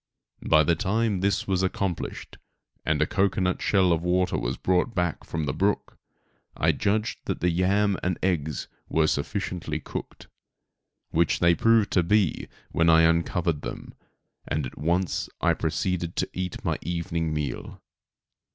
By the time this was accomplished, and a cocoanut shell of water was brought from the brook, I judged that the yam and eggs were sufficiently cooked, which they proved to be when I uncovered them, and I at once proceeded to eat my evening meal.